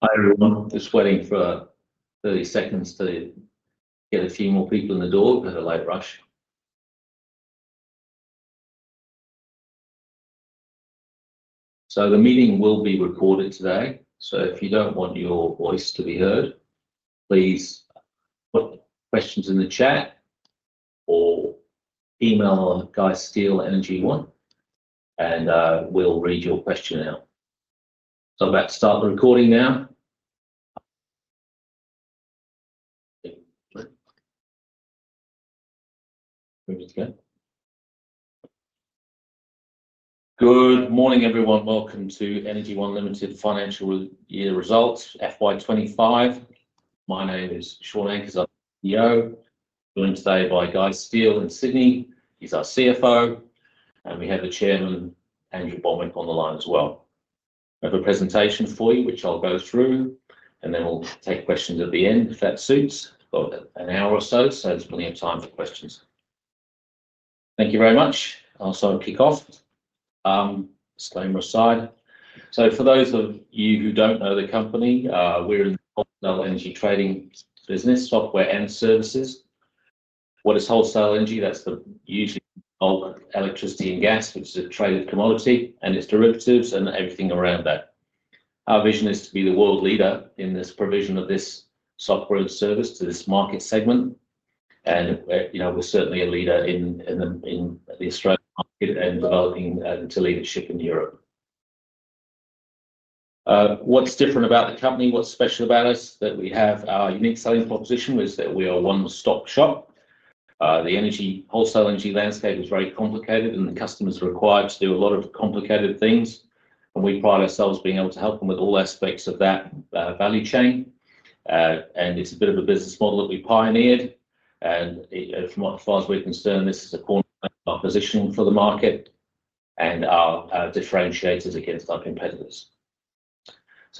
Hi everyone. I'm just waiting for 30 seconds to get a few more people in the door. A bit of a light rush. The meeting will be recorded today. If you don't want your voice to be heard, please put your questions in the chat or email Guy Steel at Energy One, and we'll read your question now. I'm about to start the recording now. Good morning, everyone. Welcome to Energy One Limited's Financial Year Results, FY 2025. My name is Shaun Ankers, CEO. Joined today by Guy Steel in Sydney. He's our CFO, and we have the Chairman, Andrew Bonwick, on the line as well. We have a presentation for you, which I'll go through, and then we'll take questions at the end if that suits. We've got an hour or so, so there's plenty of time for questions. Thank you very much. I'll start a kickoff. Disclaimer aside. For those of you who don't know the company, we're an optional energy trading business, software and services. What is wholesale energy? That's the use of electricity and gas, which is a traded commodity, and its derivatives and everything around that. Our vision is to be the world leader in this provision of this Software as a Service to this market segment. You know we're certainly a leader in Australia and developing to leadership in Europe. What's different about the company, what's special about us, that we have our unique selling proposition is that we are one stock shop. The wholesale energy landscape is very complicated, and the customers are required to do a lot of complicated things. We pride ourselves on being able to help them with all aspects of that value chain. It's a bit of a business model that we pioneered. As far as we're concerned, this is a core position for the market and our differentiators against our competitors.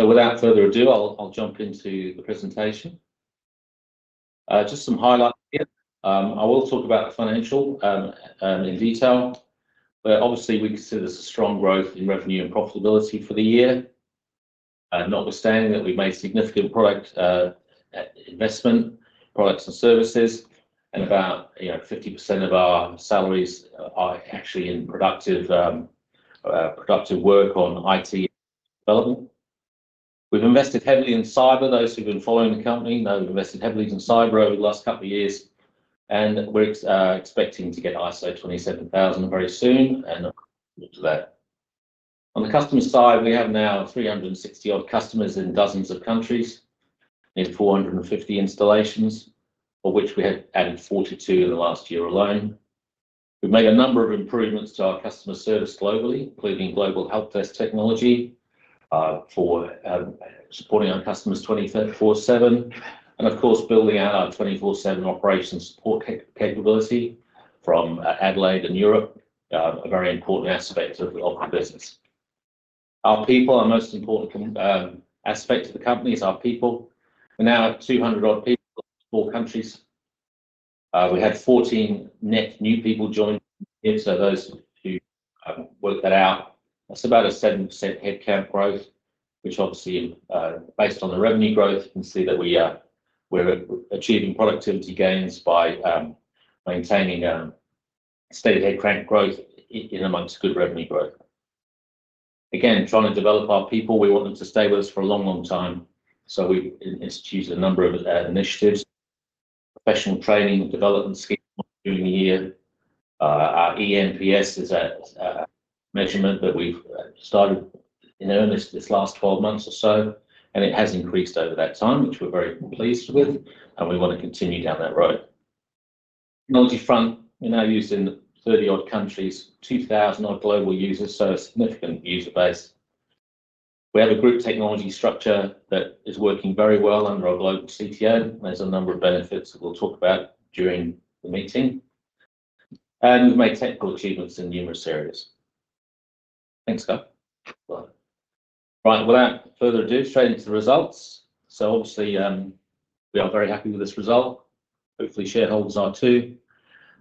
Without further ado, I'll jump into the presentation. Just some highlights. I will talk about the financial and in detail. Obviously, we can see there's a strong growth in revenue and profitability for the year. Notwithstanding that we've made significant product investment, products and services, and about 50% of our salaries are actually in productive work on IT development. We've invested heavily in cyber. Those who've been following the company know we've invested heavily in cyber over the last couple of years. We're expecting to get ISO 27001 very soon. On the customer side, we have now 360-odd customers in dozens of countries in 450 installations, of which we have added 42 in the last year alone. We've made a number of improvements to our customer service globally, including global helpdesk technology for supporting our customers 24/7. Of course, building our 24/7 operations support capability from Adelaide in Europe, a very important aspect of our business. Our people, our most important aspect of the company, is our people. We're now at 200-odd people in four countries. We have 14 net new people joined. Those who work at our... It's about a 7% headcount growth, which obviously, based on the revenue growth, you can see that we are achieving productivity gains by maintaining stated headcount growth in amongst good revenue growth. Again, trying to develop our people, we want them to stay with us for a long, long time. We institute a number of initiatives, professional training and development schemes during the year. Our ENPS is a measurement that we've started in earnest this last 12 months or so. It has increased over that time, which we're very pleased with. We want to continue down that road. Technology front, we're now used in 30-odd countries, 2,000-odd global users, so a significant user base. We have a group technology structure that is working very well under our global CTO. There are a number of benefits that we'll talk about during the meeting. We've made technical achievements in numerous areas. Thanks, Scott. Right. Without further ado, straight into the results. We are very happy with this result. Hopefully, shareholders are too.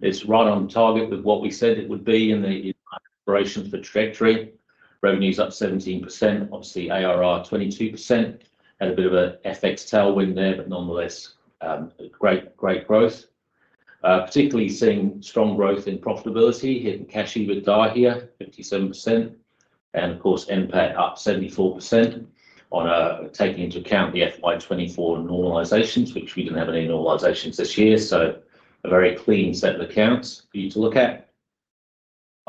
It's right on target with what we said it would be in the operation for the trajectory. Revenue is up 17%. ARR 22%. Had a bit of an FX tailwind there, but nonetheless, a great, great growth. Particularly seeing strong growth in profitability, hitting catching good die here, 57%. Of course, end pay up 74% on taking into account the FY 2024 normalizations, which we didn't have any normalizations this year. A very clean set of accounts for you to look at.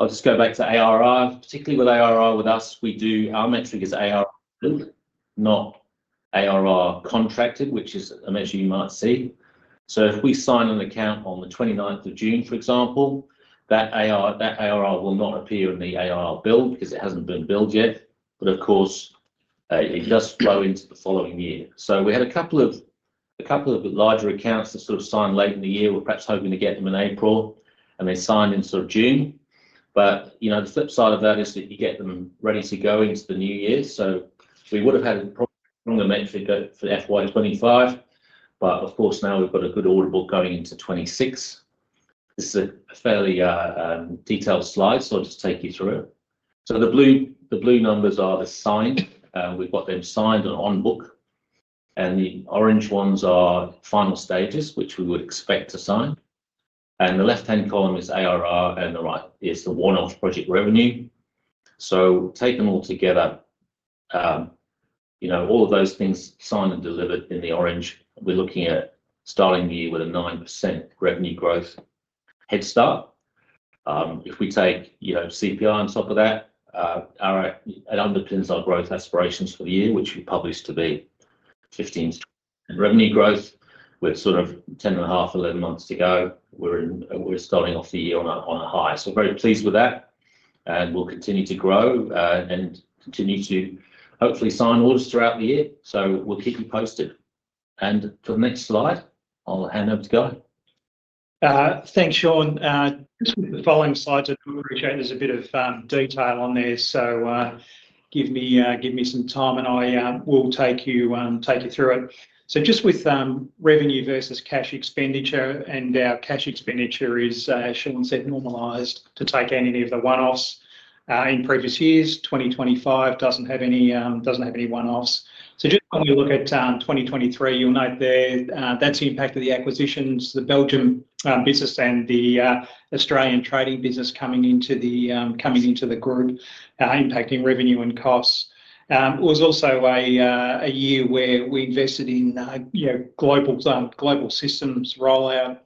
I'll just go back to ARR. Particularly with ARR with us, our metric is ARR billed, not ARR contracted, which is a measure you might see. If we sign an account on the 29th of June, for example, that ARR will not appear in the ARR billed because it hasn't been billed yet. It does flow into the following year. We had a couple of larger accounts that signed late in the year. We were perhaps hoping to get them in April and they signed in June. The flip side of that is that you get them ready to go into the new year. We would have had a stronger metric for FY 2025. Now we've got a good order book going into 2026. This is a fairly detailed slide, so I'll just take you through it. The blue numbers are the signed. We've got them signed and on book. The orange ones are final stages, which we would expect to sign. The left-hand column is ARR and the right is the one-off project revenue. Taken all together, all of those things signed and delivered in the orange, we're looking at starting the year with a 9% revenue growth head start. If we take CPI on top of that, it underpins our growth aspirations for the year, which we published to be 15% revenue growth. With sort of 10.5 months, 11 months to go, we're starting off the year on a high. We're very pleased with that. We'll continue to grow and continue to hopefully sign orders throughout the year. We'll keep you posted. For the next slide, I'll hand over to Guy. Thanks, Shaun. The following slide that we'll return is a bit of detail on this. Give me some time and I will take you totally through it. Just with revenue versus cash expenditure, our cash expenditure is, as Shaun said, normalized to take in any of the one-offs. In previous years, 2025 doesn't have any one-offs. When you look at 2023, you'll note there that's the impact of the acquisitions, the Belgium business and the Australian trading business coming into the group, impacting revenue and costs. It was also a year where we invested in global systems rollout,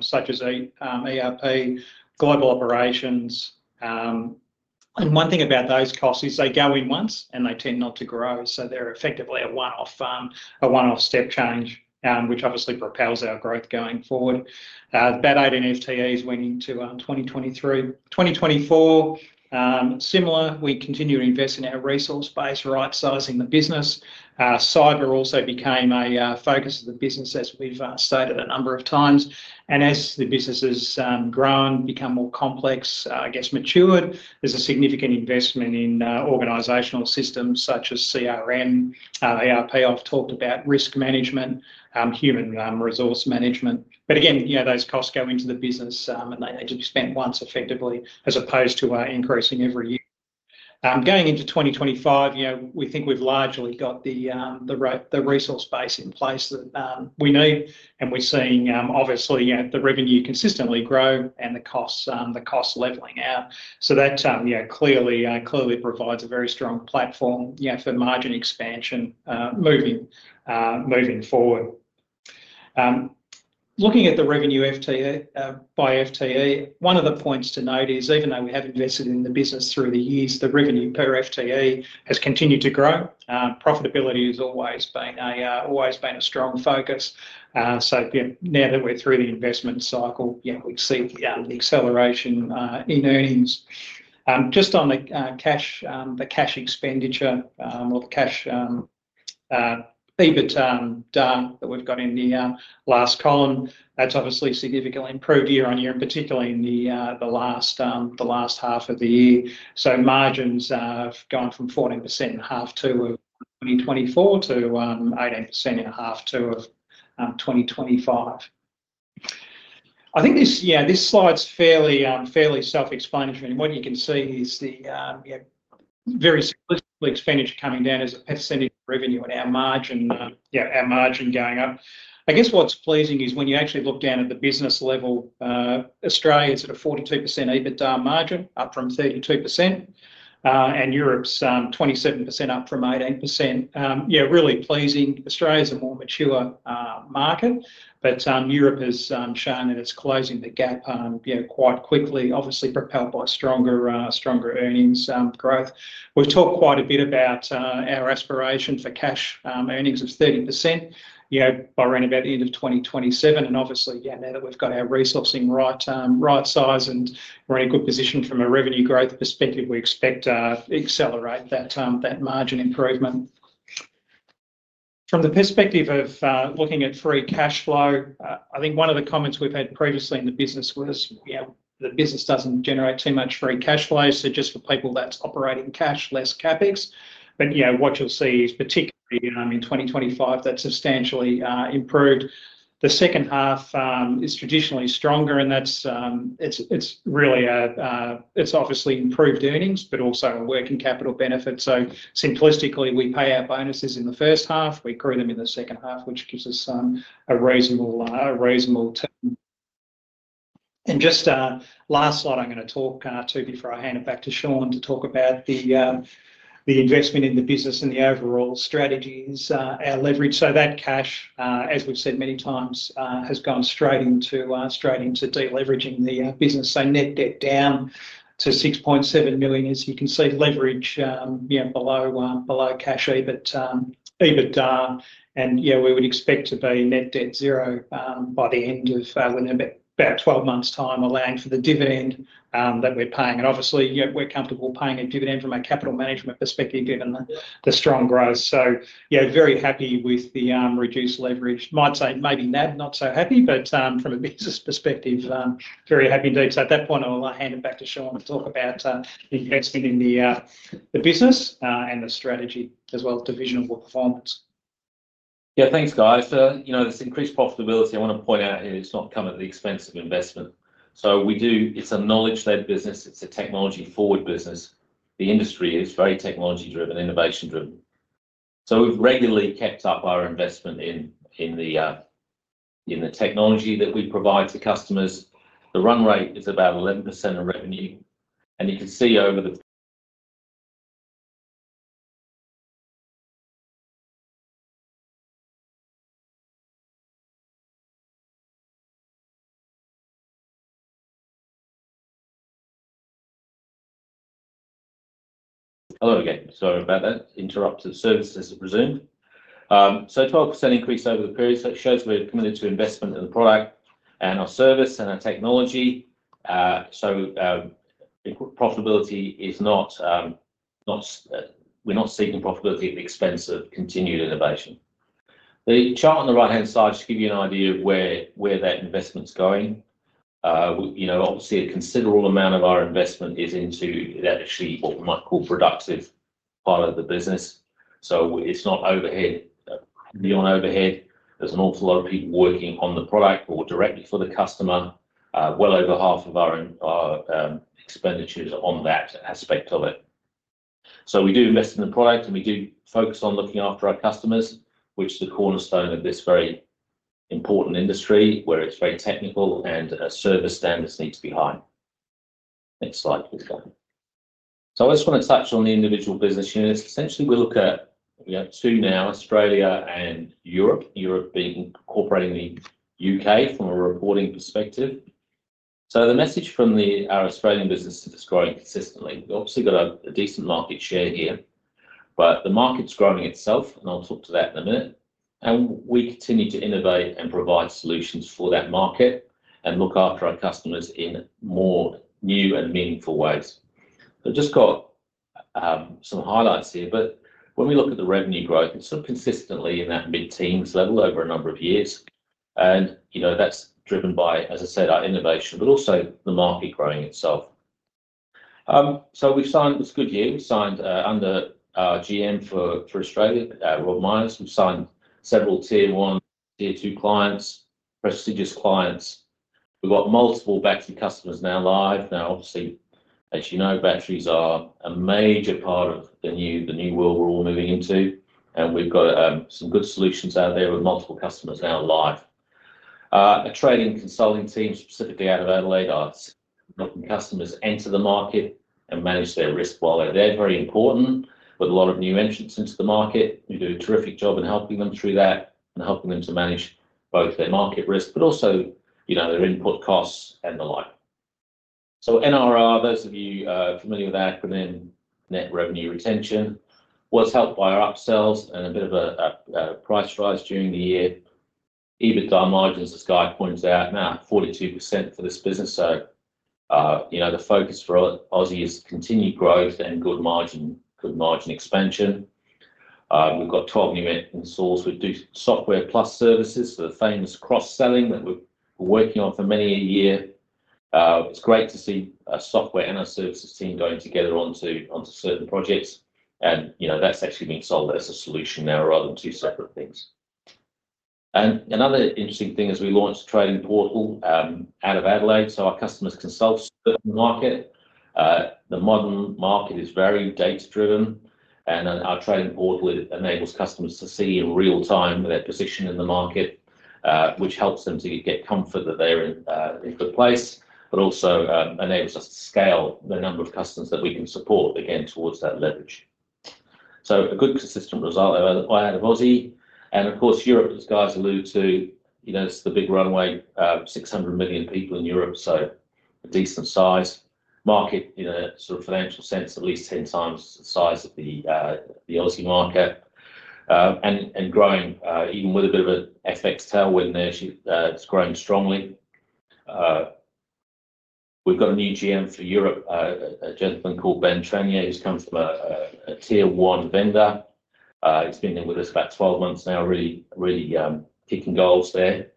such as ERP, global operations. One thing about those costs is they go in once and they tend not to grow. They're effectively a one-off step change, which obviously propels our growth going forward. About 18 FTEs went into 2023. In 2024, similar, we continue to invest in our resource base, right-sizing the business. Cyber also became a focus of the business, as we've stated a number of times. As the business has grown, become more complex, I guess matured, there's a significant investment in organizational systems such as CRM. ERP often talked about risk management, human resource management. Again, those costs go into the business and they just spent once effectively as opposed to increasing every year. Going into 2025, we think we've largely got the resource base in place that we need. We're seeing, obviously, the revenue consistently grow and the costs leveling out. That clearly provides a very strong platform for margin expansion moving forward. Looking at the revenue by FTE, one of the points to note is even though we have invested in the business through the years, the revenue per FTE has continued to grow. Profitability has always been a strong focus. Now that we're through the investment cycle, we've seen the acceleration in earnings. Just on the cash expenditure or the cash EBIT that we've got in the last column, that's obviously significantly improved year-on-year, and particularly in the last half of the year. Margins have gone from 14% in the first half of 2024 to 18% in the first half of 2025. I think this slide's fairly self-explanatory. What you can see is the various expenditure coming down as a percentage of revenue and our margin going up. What's pleasing is when you actually look down at the business level, Australia's at a 42% EBITDA margin, up from 32%, and Europe's 27% up from 18%. Yeah, really pleasing. Australia is a more mature market, but Europe has shown that it's closing the gap quite quickly, obviously propelled by stronger earnings growth. We've talked quite a bit about our aspiration for cash earnings of 30% by around about the end of 2027. Obviously, now that we've got our resourcing right size and we're in a good position from a revenue growth perspective, we expect to accelerate that margin improvement. From the perspective of looking at free cash flow, I think one of the comments we've had previously in the business was, you know, the business doesn't generate too much free cash flow. Just for people, that's operating cash, less CapEx. What you'll see is particularly in 2025, that's substantially improved. The second half is traditionally stronger, and it's really improved earnings, but also a working capital benefit. Simplistically, we pay our bonuses in the first half, we accrue them in the second half, which gives us a reasonable return. The last slide I'm going to talk to before I hand it back to Shaun to talk about the investment in the business and the overall strategies is our leverage. That cash, as we've said many times, has gone straight into deleveraging the business. Net debt down to $6.7 million, as you can see, leverage below cash EBITDA. We would expect to be net debt zero by the end of in about 12 months' time, allowing for the dividend that we're paying. Obviously, we're comfortable paying a dividend from a capital management perspective given the strong growth. Very happy with the reduced leverage. Might say maybe now not so happy, but from a business perspective, very happy indeed. At that point, I'll hand it back to Shaun to talk about investing in the business and the strategy as well as divisional performance. Yeah, thanks, Guy. You know, this increased profitability, I want to point out here, it's not come at the expense of investment. We do, it's a knowledge-led business. It's a technology-forward business. The industry is very technology-driven, innovation-driven. We've regularly kept up our investment in the technology that we provide to customers. The run rate is about 11% of revenue. You can see over the... Hello again. Sorry about that. Interrupted services to presume. 12% increase over the period. It shows we're committed to investment in the product and our service and our technology. Profitability is not, we're not seeking profitability at the expense of continued innovation. The chart on the right-hand side just gives you an idea of where that investment's going. Obviously, a considerable amount of our investment is into that achievement, what we might call productive part of the business. It's not overhead, beyond overhead. There's an awful lot of people working on the product or directly for the customer. Well over half of our expenditures are on that aspect of it. We do invest in the product and we do focus on looking after our customers, which is the cornerstone of this very important industry where it's very technical and service standards need to be high. Next slide, please, Guy. I just want to touch on the individual business units. Essentially, we look at two now, Australia and Europe, Europe being incorporating the U.K., from a reporting perspective. The message from our Australian business is growing consistently. We've obviously got a decent market share here, but the market's growing itself, and I'll talk to that in a minute. We continue to innovate and provide solutions for that market and look after our customers in more new and meaningful ways. I've just got some highlights here, but when we look at the revenue growth, it's sort of consistently in our mid-teens level over a number of years. You know that's driven by, as I said, our innovation, but also the market growing itself. We've signed, it's a good year, we've signed under GM for Australia, but that will minus. We've signed several tier one, tier two clients, prestigious clients. We've got multiple battery customers now live. Obviously, as you know, batteries are a major part of the new world we're all moving into. We've got some good solutions out there with multiple customers now live. A training consulting team specifically out of Adelaide asking customers to enter the market and manage their risk while they're there. Very important with a lot of new entrants into the market. We do a terrific job in helping them through that and helping them to manage both their market risk, but also their input costs and the like. NRR, those of you familiar with the acronym, net revenue retention, was helped by our upsells and a bit of a price rise during the year. EBITDA margins, as Guy points out, now at 42% for this business. The focus for Aussie is continued growth and good margin expansion. We've got 12 new sources. We do software plus services for the famous cross-selling that we're working on for many a year. It's great to see our software and our services team going together onto certain projects. That's actually been sold as a solution now rather than two separate things. Another interesting thing is we launched a trading portal out of Adelaide so our customers can self-service the market. The modern market is very data-driven. Our trading portal enables customers to see in real time their position in the market, which helps them to get comfort that they're in a good place, but also enables us to scale the number of customers that we can support, again, towards that leverage. A good consistent result out of Aussie. Europe, as Guy's alluded to, it's the big runway, 600 million people in Europe. A decent size market, in sort of financial sense, at least 10x the size of the Aussie market. Growing, even with a bit of an FX tailwind there, it's growing strongly. We've got a new GM for Europe, a gentleman called Ben Chanier, who's come from a tier one vendor. He's been there with us about 12 months now, really, really kicking goals there.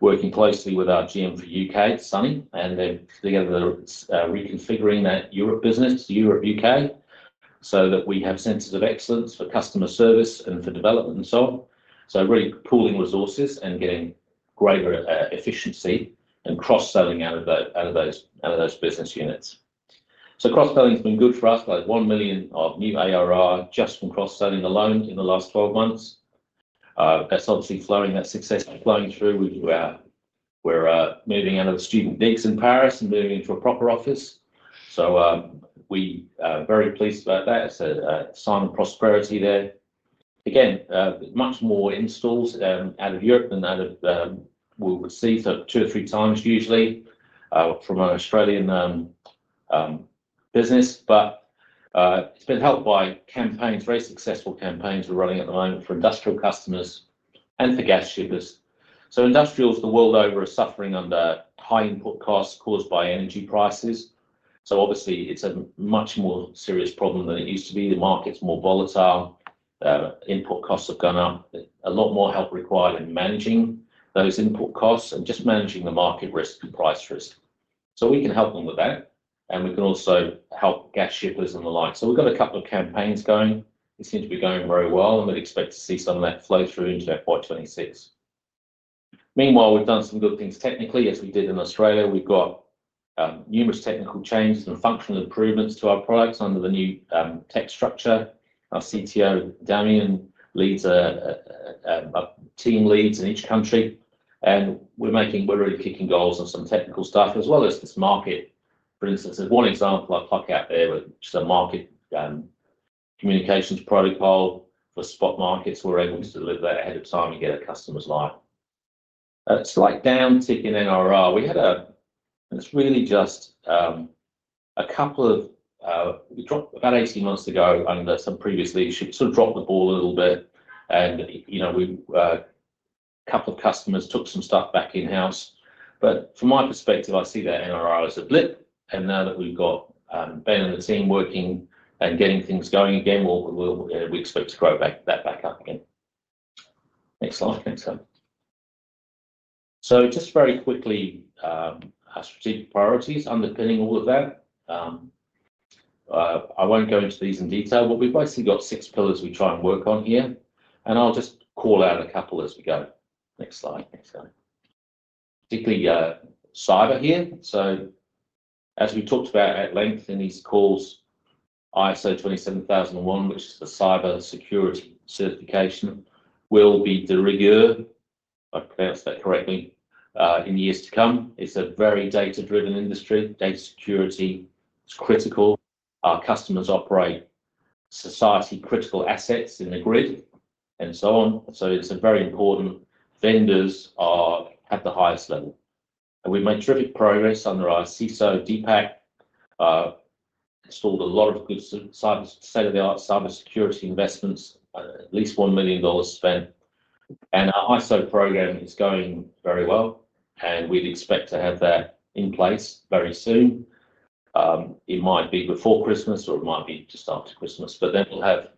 Working closely with our GM for the U.K., Sunny, and they're together reconfiguring that Europe business to Europe U.K., so that we have centers of excellence for customer service and for development and so on. Really pooling resources and getting greater efficiency and cross-selling out of those business units. Cross-selling has been good for us. $1 million of new ARR just from cross-selling alone in the last 12 months. That's obviously flowing, that success flowing through. We're moving out of the student decks in Paris and moving into a proper office. We are very pleased about that. It's a sign of prosperity there. Again, much more installs out of Europe than out of we would see, so 2x or 3x usually from an Australian business. It's been helped by campaigns, very successful campaigns we're running at the moment for industrial customers and for gas shippers. Industrials the world over are suffering under high input costs caused by energy prices. Obviously, it's a much more serious problem than it used to be. The market's more volatile. Input costs have gone up. A lot more help required in managing those input costs and just managing the market risk and price risk. We can help them with that. We can also help gas shippers and the like. We've got a couple of campaigns going. It seems to be going very well. We'd expect to see some of that flow through the internet by 2026. Meanwhile, we've done some good things technically, as we did in Australia. We've got numerous technical changes and functional improvements to our products under the new tech structure. Our CTO, Damian, leads a team in each country. We're really kicking goals on some technical stuff as well as this market. For instance, there's one example I'll pluck out there with just a market communications protocol for spot markets. We're able to deliver that ahead of time and get our customers live. It's like down ticking NRR. We had, about 18 months ago under some previous leadership, sort of dropped the ball a little bit. A couple of customers took some stuff back in-house. From my perspective, I see that NRR as a blip. Now that we've got Ben and the team working and getting things going again, we expect to grow that back up again. Next slide, thanks, Scott. Just very quickly, our strategic priorities underpinning all of that. I won't go into these in detail, but we've basically got six pillars we try and work on here. I'll just call out a couple as we go. Next slide, thanks, Scott. Particularly cyber here. As we talked about at length in these calls, ISO 27001, which is the cybersecurity certification, will be de rigueur, if I pronounce that correctly, in the years to come. It's a very data-driven industry. Data security is critical. Our customers operate society-critical assets in the grid and so on. It's very important vendors are at the highest level. We've made terrific progress under our CISO DPAC. It's called a lot of good state-of-the-art cybersecurity investments, at least $1 million spent. Our ISO program is going very well. We'd expect to have that in place very soon. It might be before Christmas or it might be just after Christmas. That will have,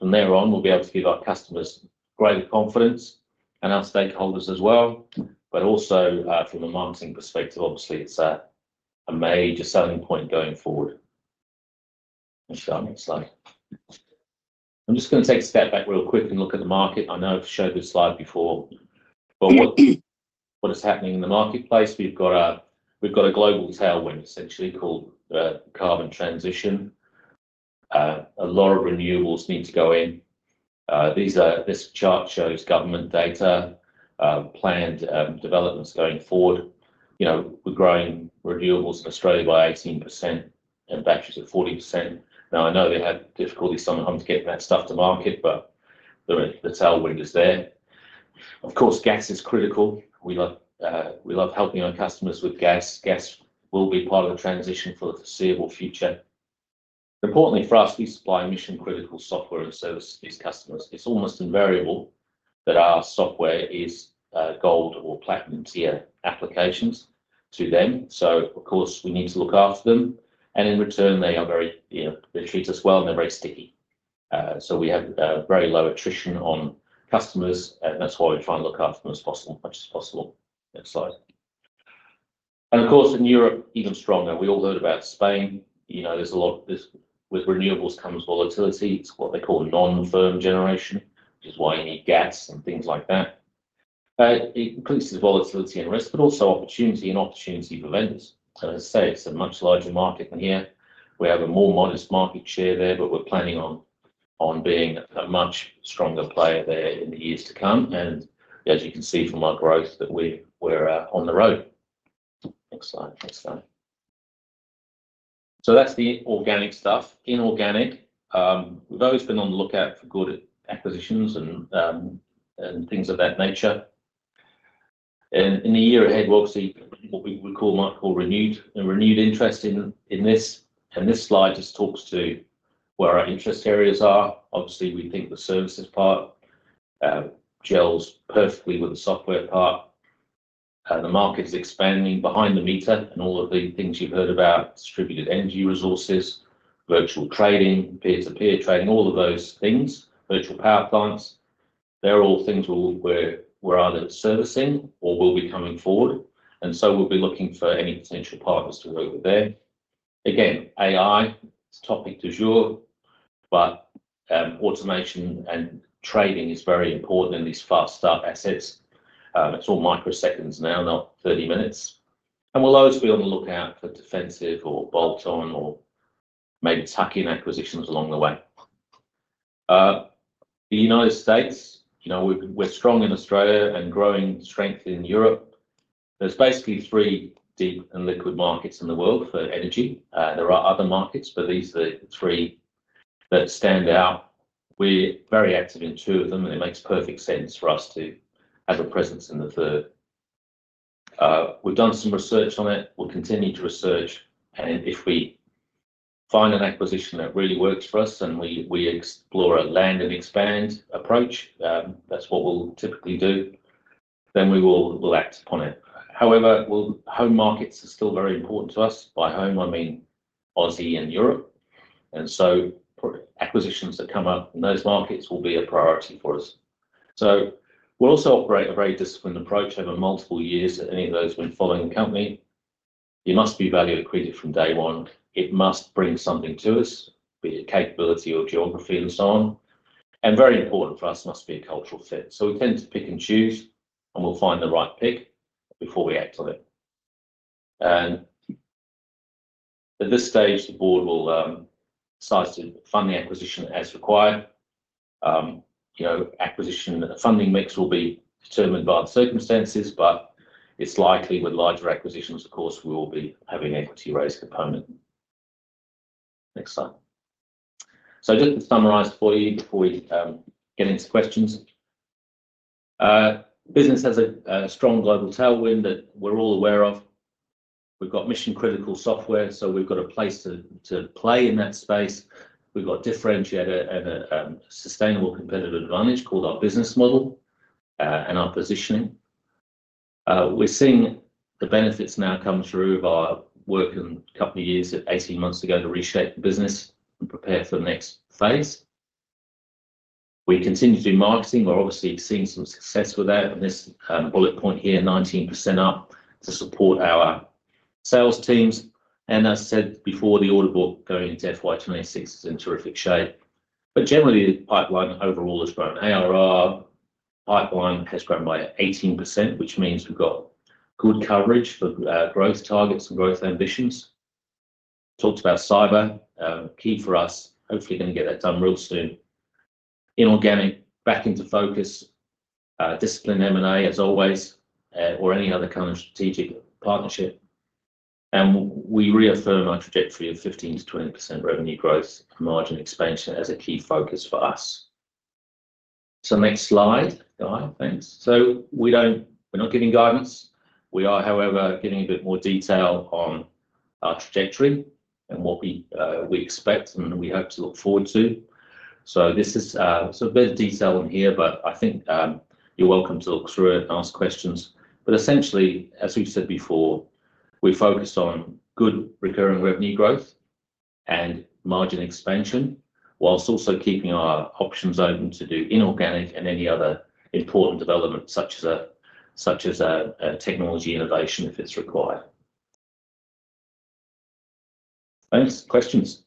from there on, we'll be able to give our customers greater confidence and our stakeholders as well. Also, from a marketing perspective, obviously, it's a major selling point going forward. Next slide. I'm just going to take a step back real quick and look at the market. I know I've showed this slide before. What is happening in the marketplace? We've got a global tailwind, essentially, called the carbon transition. A lot of renewables need to go in. This chart shows government data, planned developments going forward. We're growing renewables in Australia by 18% and batteries at 40%. I know they've had difficulties sometimes getting that stuff to market, but the tailwind is there. Of course, gas is critical. We love helping our customers with gas. Gas will be part of the transition for the foreseeable future. Importantly for us, we supply mission-critical software and service to these customers. It's almost invariable that our software is gold or platinum tier applications to them. We need to look after them. In return, they benefit us well and they're very sticky. We have very low attrition on customers, and that's why we try and look after them as much as possible. Next slide. In Europe, even stronger. We all heard about Spain. With renewables comes volatility. It's what they call non-firm generation, which is why you need gas and things like that. It increases volatility and risk, but also opportunity and opportunity for vendors. As I say, it's a much larger market than here. We have a more modest market share there, but we're planning on being a much stronger player there in the years to come. As you can see from our growth, we're out on the road. Next slide, thanks, Scott. That's the organic stuff. Inorganic, we've always been on the lookout for good acquisitions and things of that nature. In the year ahead, we'll see what we might call renewed interest in this. This slide just talks to where our interest areas are. Obviously, we think the services part gels perfectly with the software part. The market is expanding behind the meter. All of the things you've heard about, distributed energy resources, virtual trading, peer-to-peer trading, all of those things, virtual power plants, they're all things we're either servicing or will be coming forward. We'll be looking for any potential partners to work with there. AI is topic du jour, but automation and trading is very important in these fast-start assets. It's all microseconds now, not 30 minutes. We'll always be on the lookout for defensive or bolt-on or maybe tuck-in acquisitions along the way. The United States, you know we're strong in Australia and growing strength in Europe. There are basically three deep and liquid markets in the world for energy. There are other markets, but these are the three that stand out. We're very active in two of them, and it makes perfect sense for us to have a presence in the third. We've done some research on it. We'll continue to research. If we find an acquisition that really works for us and we explore a land and expand approach, that's what we'll typically do. We will act upon it. However, home markets are still very important to us. By home, I mean Aussie and Europe. Acquisitions that come up in those markets will be a priority for us. We also operate a very disciplined approach over multiple years at any of those when following a company. It must be value accretive from day one. It must bring something to us, be it capability or geography and so on. Very important for us, it must be a cultural fit. We tend to pick and choose, and we'll find the right pick before we act on it. At this stage, the board will decide to fund the acquisition as required. Acquisition funding mix will be determined by the circumstances, but it's likely with larger acquisitions, of course, we will be having an equity raise component. Next slide. Just to summarize for you before we get into questions, business has a strong global tailwind that we're all aware of. We've got mission-critical software, so we've got a place to play in that space. We've got a differentiated and a sustainable competitive advantage called our business model and our positioning. We're seeing the benefits now come through of our working company years at 18 months ago to reshape the business, prepare for the next phase. We continue to do marketing. We're obviously seeing some success with that. This is an important point here, 19% up to support our sales teams. As I said before, the order book going into FY 2026 is in terrific shape. Generally, the pipeline overall has grown. ARR pipeline has grown by 18%, which means we've got good coverage for growth targets and growth ambitions. Talked about cyber, key for us. Hopefully, going to get that done real soon. Inorganic, back into focus, discipline M&A as always, or any other kind of strategic partnership. We reaffirm our trajectory of 15%-20% revenue growth, margin expansion as a key focus for us. Next slide, Guy, thanks. We don't, we're not giving guidance. We are, however, giving a bit more detail on our trajectory and what we expect and we hope to look forward to. This is a bit of detail on here, but I think you're welcome to look through it and ask questions. Essentially, as we've said before, we're focused on good recurring revenue growth and margin expansion, whilst also keeping our options open to do inorganic and any other important development, such as a technology innovation if it's required. Thanks. Questions?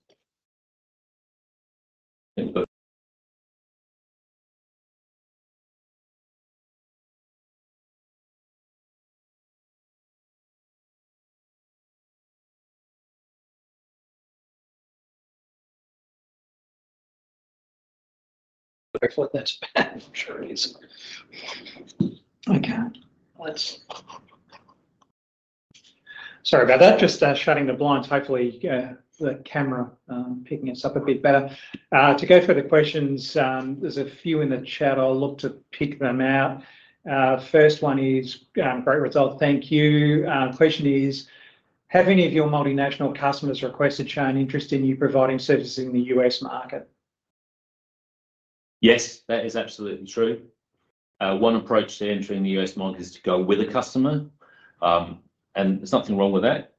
I'm sure it is. Sorry about that. Just shutting the blinds. Hopefully, the camera is picking us up a bit better. To go through the questions, there's a few in the chat. I'll look to pick them out. First one is, great result. Thank you. The question is, have any of your multinational customers requested or shown interest in you providing services in the U.S., market? Yes, that is absolutely true. One approach to entering the U.S., market is to go with a customer, and there's nothing wrong with that.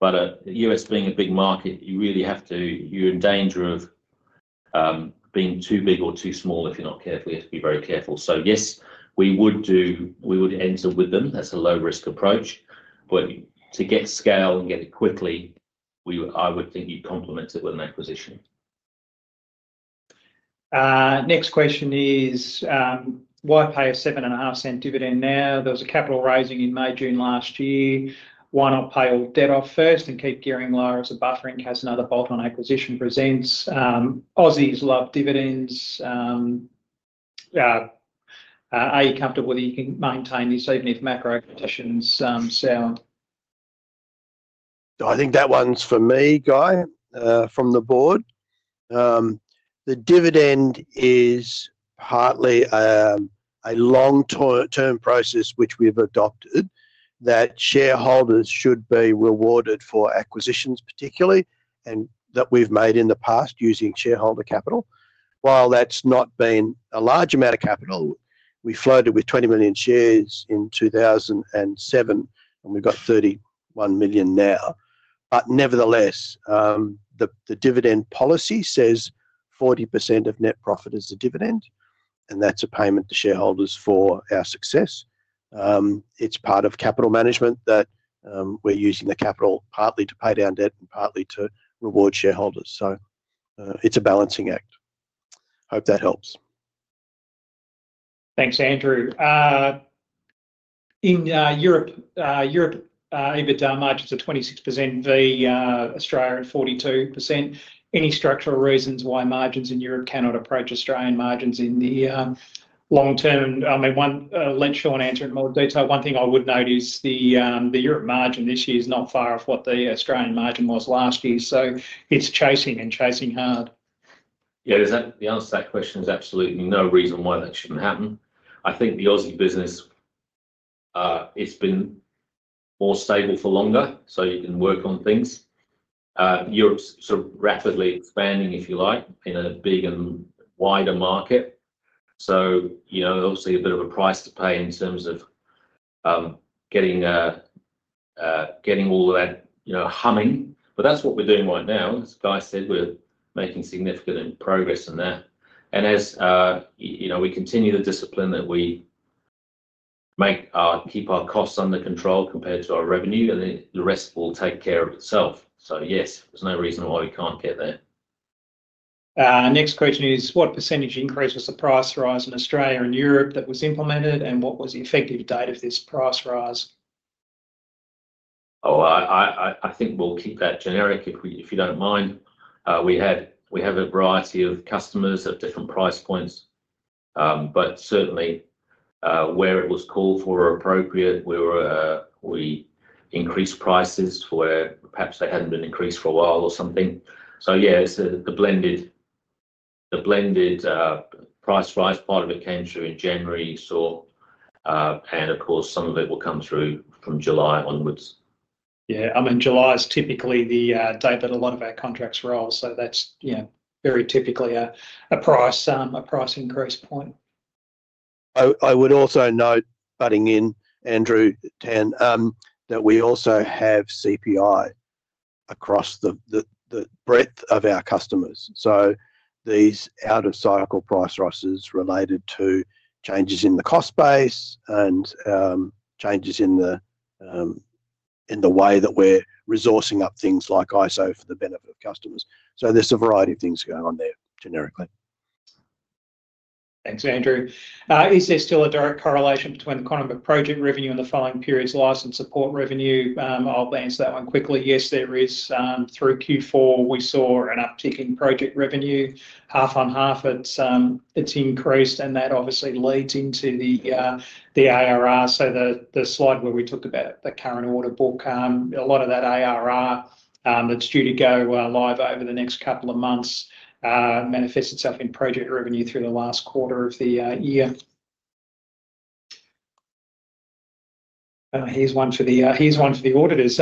The U.S., being a big market, you really have to, you're in danger of being too big or too small if you're not careful. You have to be very careful. Yes, we would enter with them. That's a low-risk approach. To get scale and get it quickly, I would think you'd complement it with an acquisition. Next question is, why pay a $0.075 dividend now? There was a capital raising in May, June last year. Why not pay all debt off first and keep gearing lower as a buffer in case another bolt-on acquisition presents? Aussies love dividends. Are you comfortable that you can maintain this even if macro acquisitions stall? I think that one's for me, Guy, from the board. The dividend is partly a long-term process which we've adopted that shareholders should be rewarded for acquisitions, particularly, and that we've made in the past using shareholder capital. While that's not been a large amount of capital, we floated with 20 million shares in 2007 and we've got 31 million now. Nevertheless, the dividend policy says 40% of net profit is a dividend and that's a payment to shareholders for our success. It's part of capital management that we're using the capital partly to pay down debt and partly to reward shareholders. It's a balancing act. Hope that helps. Thanks, Andrew. In Europe, EBITDA margins are 26%, the Australian 42%. Any structural reasons why margins in Europe cannot approach Australian margins in the long-term? I mean, one, let's show an answer in more detail. One thing I would note is the Europe margin this year is not far off what the Australian margin was last year. It's chasing and chasing hard. Yeah, to answer that question, there's absolutely no reason why that shouldn't happen. I think the Aussie business, it's been more stable for longer, so you can work on things. Europe's sort of rapidly expanding, if you like, in a big and wider market. You know, obviously a bit of a price to pay in terms of getting all of that humming. That's what we're doing right now. As Guy said, we're making significant progress in there. As you know, we continue to discipline that we make our keep our costs under control compared to our revenue and the rest will take care of itself. Yes, there's no reason why we can't get there. Next question is, what % increase was the price rise in Australia and Europe that was implemented, and what was the effective date of this price rise? I think we'll keep that generic if you don't mind. We have a variety of customers at different price points. Certainly, where it was called for or appropriate, we increased prices to where perhaps they hadn't been increased for a while or something. Yeah, the blended price rise part of it came through in January you saw. Of course, some of it will come through from July onwards. Yeah, I mean, July is typically the date that a lot of our contracts roll. That's very typically a price increase point. I would also note, adding in Andrew, that we also have CPI across the breadth of our customers. These out-of-cycle price rises relate to changes in the cost base and changes in the way that we're resourcing up things like ISO for the benefit of customers. There is a variety of things going on there generically. Thanks, Andrew. Is there still a direct correlation between the economic project revenue and the following period's license support revenue? I'll answer that one quickly. Yes, there is. Through Q4, we saw an uptick in project revenue. Half on half, it's increased. That obviously leads into the ARR. The slide where we talk about the current order book, a lot of that ARR that's due to go live over the next couple of months manifests itself in project revenue through the last quarter of the year. Here's one for the auditors.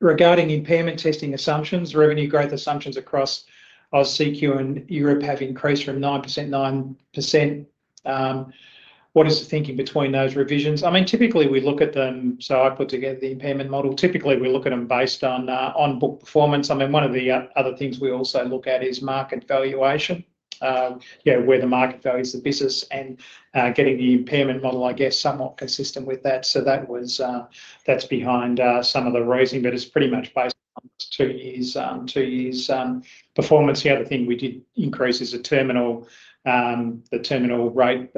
Regarding impairment testing assumptions, revenue growth assumptions across Australia and Europe have increased from 9%-9%. What is the thinking between those revisions? Typically, we look at them, so I put together the impairment model. Typically, we look at them based on on-book performance. One of the other things we also look at is market valuation, where the market values the business and getting the impairment model, I guess, somewhat consistent with that. That is behind some of the raising, but it's pretty much based on performance. The other thing we did increase is the terminal rate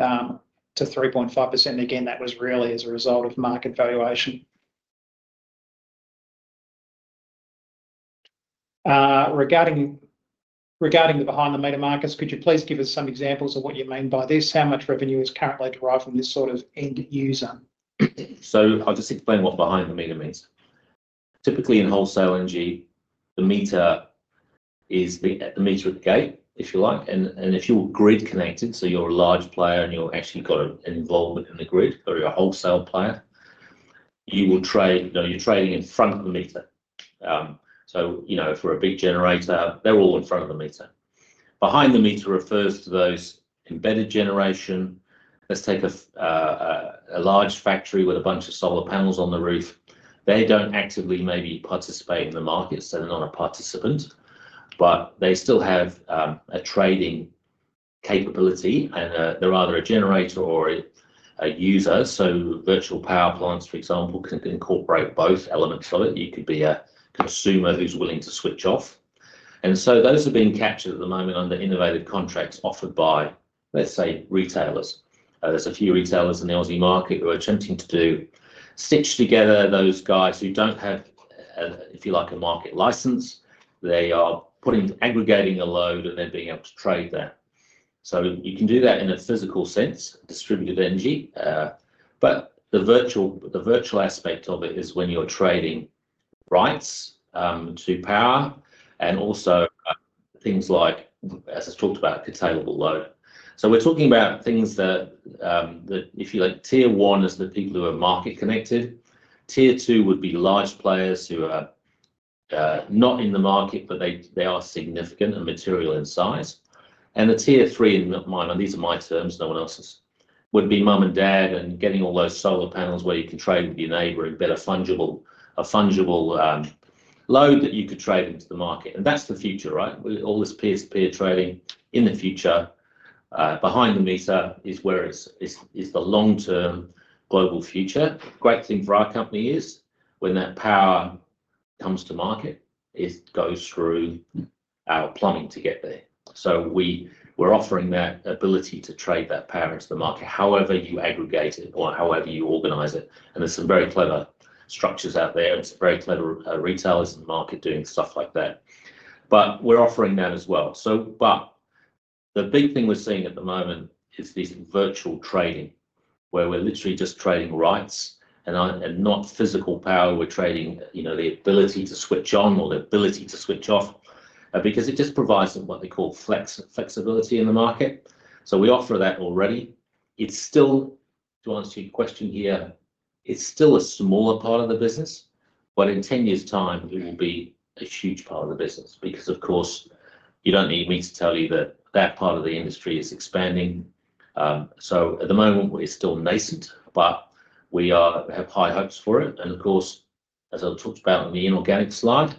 to 3.5%. That was really as a result of market valuation. Regarding the behind-the-meter markets, could you please give us some examples of what you mean by this? How much revenue is currently derived from this sort of end user? I'll just explain what behind-the-meter means. Typically, in wholesale energy, it is at the meter of the gate, if you like. If you're grid connected, you're a large player and you're actually involved in the grid or you're a wholesale player, you're trading in front of the meter. If we're a big generator, they're all in front of the meter. Behind-the-meter refers to those embedded generation. Let's take a large factory with a bunch of solar panels on the roof. They don't actively maybe participate in the market, so they're not a participant, but they still have a trading capability. They're either a generator or a user. Virtual power plants, for example, can incorporate both elements of it. You could be a consumer who's willing to switch off. Those are being captured at the moment under innovative contracts offered by, let's say, retailers. There are a few retailers in the Aussie market who are attempting to stitch together those guys who don't have, if you like, a market license. They are aggregating a load and then being able to trade that. You can do that in a physical sense, distributed energy. The virtual aspect of it is when you're trading rights to power and also things like, as I talked about, a containable load. We're talking about things that, if you like, tier one is the people who are market connected. Tier two would be large players who are not in the market, but they are significant and material in size. Tier three, and these are my terms, no one else's, would be mum and dad and getting all those solar panels where you can trade with your neighbor in a fungible load that you could trade into the market. That's the future, right? With all this peer-to-peer trading in the future, behind-the-meter is where it's the long-term global future. Great thing for our company is when that power comes to market, it goes through our plumbing to get there. We're offering that ability to trade that power into the market, however you aggregate it or however you organize it. There are some very clever structures out there. There are very clever retailers in the market doing stuff like that. We're offering that as well. The big thing we're seeing at the moment is this virtual trading where we're literally just trading rights and not physical power. We're trading the ability to switch on or the ability to switch off because it just provides them what they call flexibility in the market. We offer that already. It's still, to answer your question here, it's still a smaller part of the business, but in 10 years' time, it will be a huge part of the business because, of course, you don't need me to tell you that that part of the industry is expanding. At the moment, we're still nascent, but we have high hopes for it. As I've talked about on the inorganic slide,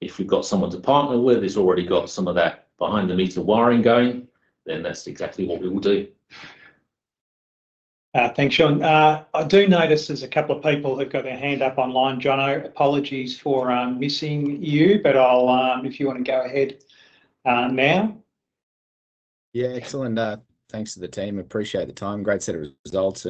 if you've got someone to partner with who's already got some of that behind-the-meter wiring going, then that's exactly what we will do. Thanks, Shaun. I do notice there's a couple of people who've got their hand up online. John, apologies for missing you, but if you want to go ahead now. Yeah, excellent. Thanks to the team. Appreciate the time. Great set of results.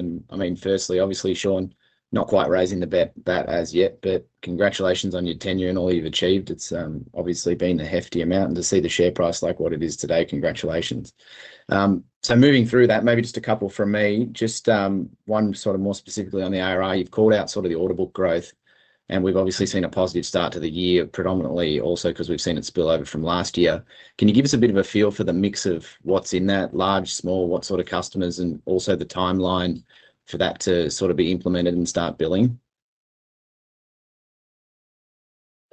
Firstly, obviously, Shaun, not quite raising the bet as yet, but congratulations on your tenure and all you've achieved. It's obviously been a hefty amount. To see the share price like what it is today, congratulations. Moving through that, maybe just a couple from me. Just one sort of more specifically on the ARR. You've called out the order book growth. We've obviously seen a positive start to the year, predominantly also because we've seen it spill over from last year. Can you give us a bit of a feel for the mix of what's in that, large, small, what sort of customers, and also the timeline for that to be implemented and start billing?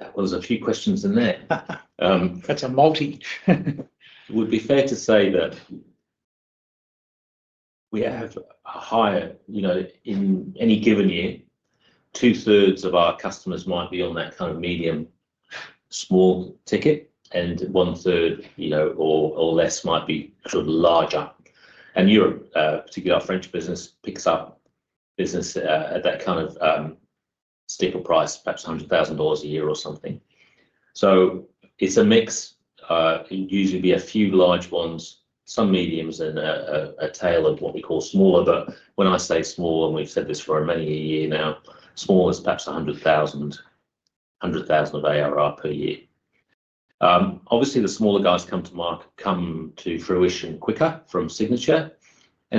There are a few questions in there. It would be fair to say that we have a higher, you know, in any given year, 2/3 of our customers might be on that kind of medium-small ticket, and 1/3, you know, or less might be sort of larger. In Europe, particularly our French business, picks up business at that kind of steeper price, perhaps $100,000 a year or something. It is a mix. It usually would be a few large ones, some mediums, and a tail of what we call smaller. When I say small, and we've said this for many a year now, small is perhaps $100,000 of ARR per year. Obviously, the smaller guys come to market, come to fruition quicker from signature.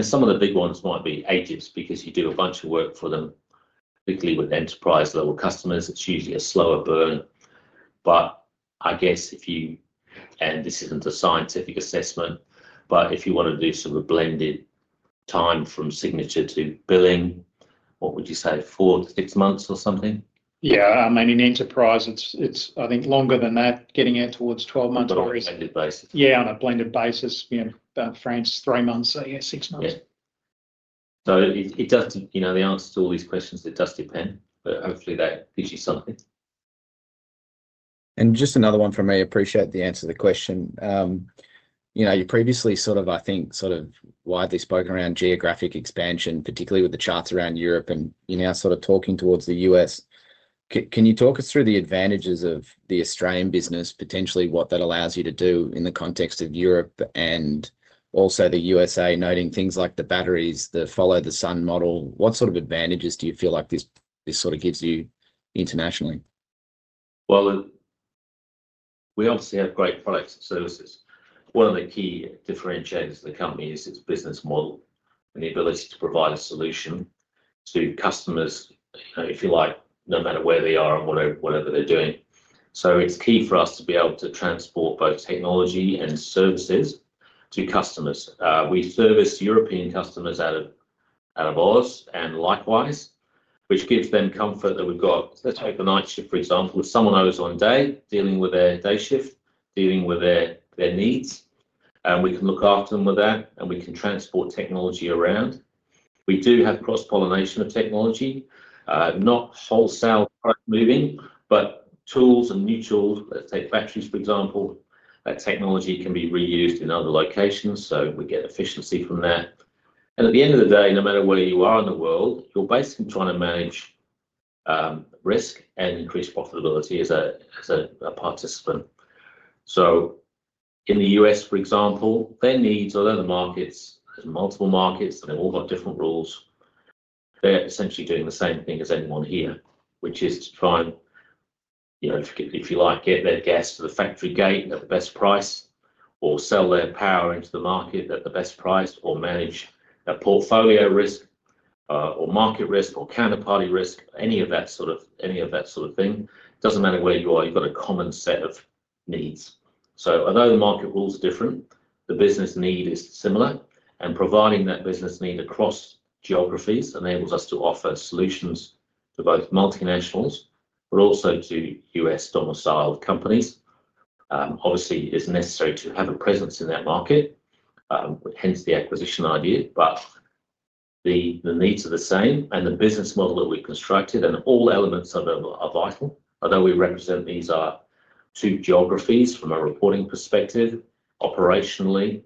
Some of the big ones might be ages because you do a bunch of work for them, particularly with enterprise-level customers. It's usually a slower burn. I guess if you, and this isn't a scientific assessment, but if you want to do sort of a blended time from signature to billing, what would you say? Four to six months or something? Yeah, I mean, in enterprise, it's, I think, longer than that, getting out towards 12 months at least. On a blended basis. Yeah, on a blended basis, you know, about France, three months, so yeah, six months. It doesn't, you know, the answer to all these questions does depend. Hopefully, that gives you something. I appreciate the answer to the question. You previously, I think, have widely spoken around geographic expansion, particularly with the charts around Europe, and you're now talking towards the U.S. Can you talk us through the advantages of the Australian business, potentially what that allows you to do in the context of Europe and also the U.S., noting things like the batteries that follow the sun model? What sort of advantages do you feel like this gives you internationally? We obviously have great products and services. One of the key differentiators of the company is its business model and the ability to provide a solution to customers, if you like, no matter where they are and whatever they're doing. It is key for us to be able to transport both technology and services to customers. We service European customers out of ours and likewise, which gives them comfort that we've got, let's take a night shift, for example, with someone else on day dealing with their day shift, dealing with their needs. We can look after them with that and we can transport technology around. We do have cross-pollination of technology, not wholesale moving, but tools and new tools, let's take batteries, for example, that technology can be reused in other locations. We get efficiency from that. At the end of the day, no matter where you are in the world, you're basically trying to manage risk and increase profitability as a participant. In the U.S., for example, their needs, although the markets, there's multiple markets and they've all got different rules, they're essentially doing the same thing as anyone here, which is fine. You know, if you like, get their gas to the factory gate at the best price or sell their power into the market at the best price or manage a portfolio risk or market risk or counterparty risk, any of that sort of thing. It doesn't matter where you are, you've got a common set of needs. Although the market rules are different, the business need is similar. Providing that business need across geographies enables us to offer solutions to both multinationals, but also to U.S., domiciled companies. Obviously, it's necessary to have a presence in that market, hence the acquisition idea, but the needs are the same and the business model that we've constructed and all elements of it are vital. Although we represent these two geographies from a reporting perspective, operationally,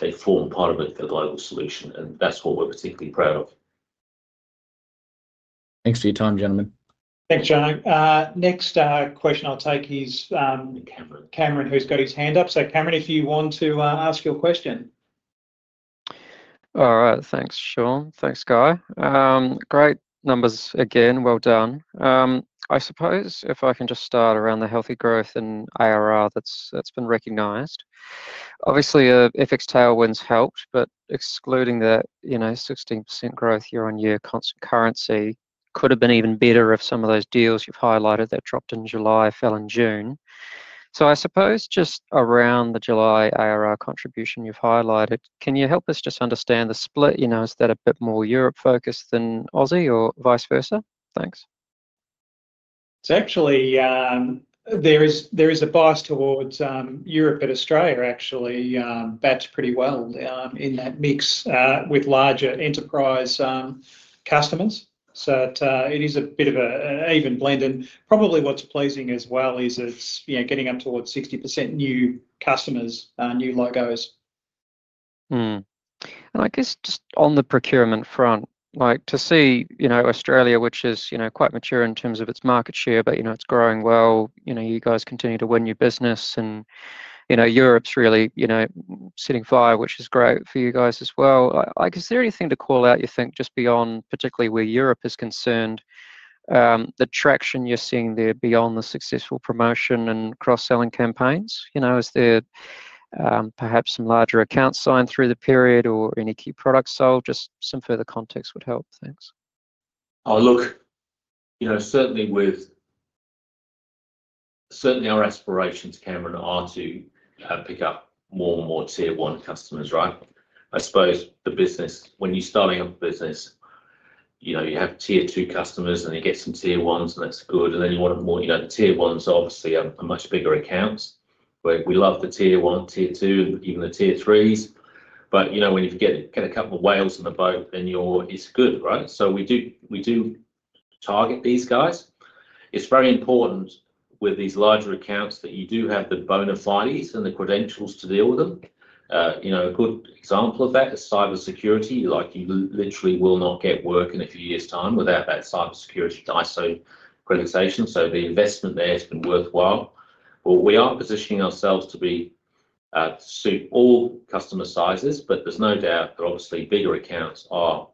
they form part of a global solution and that's what we're particularly proud of. Thanks for your time, gentlemen. Thanks, John. Next question I'll take is Cameron, who's got his hand up. Cameron, if you want to ask your question. All right, thanks, Shaun. Thanks, Guy. Great numbers again. Well done. I suppose if I can just start around the healthy growth in ARR that's been recognized. Obviously, the FX tailwinds helped, but excluding that, you know, 16% growth year-on-year currency could have been even better if some of those deals you've highlighted that dropped in July fell in June. I suppose just around the July ARR contribution you've highlighted, can you help us just understand the split? Is that a bit more Europe-focused than Aussie or vice versa? Thanks. There is a bias towards Europe and Australia, actually batched pretty well in that mix with larger enterprise customers. It is a bit of an even blend. What's pleasing as well is it's getting up towards 60% new customers, new logos. Just on the procurement front, like to see Australia, which is quite mature in terms of its market share, but it's growing well. You guys continue to win new business and Europe's really sitting fire, which is great for you guys as well. Is there anything to call out you think just beyond particularly where Europe is concerned? The traction you're seeing there beyond the successful promotion and cross-selling campaigns, is there perhaps some larger accounts signed through the period or any key products sold? Just some further context would help. Thanks. Oh, look, certainly our aspirations, Cameron, are to pick up more and more tier one customers, right? I suppose the business, when you're starting up a business, you have tier two customers and then get some tier ones and that's good. Then you want more. The tier ones are obviously a much bigger account. We love the tier one, tier two, even the tier threes. When you get a couple of whales in the boat, it's good, right? We do target these guys. It's very important with these larger accounts that you have the bona fides and the credentials to deal with them. A good example of that is cybersecurity. You literally will not get work in a few years' time without that cybersecurity ISO accreditation. The investment there has been worthwhile. We are positioning ourselves to suit all customer sizes, but there's no doubt that obviously bigger accounts are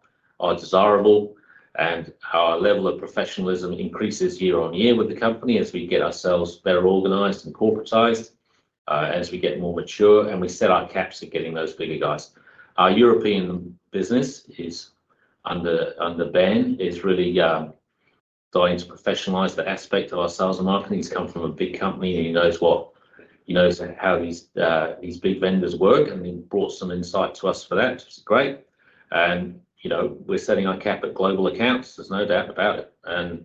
desirable and our level of professionalism increases year-on-year with the company as we get ourselves better organized and corporatized as we get more mature and we set our caps at getting those bigger guys. Our European business under Ben is really going to professionalize the aspect of our sales and marketing. He's come from a big company and he knows how these big vendors work and he brought some insight to us for that. It's great. We're setting our cap at global accounts. There's no doubt about it.